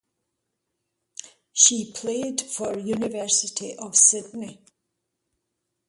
She played for University of Sydney.